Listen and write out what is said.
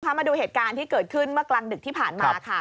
มาดูเหตุการณ์ที่เกิดขึ้นเมื่อกลางดึกที่ผ่านมาค่ะ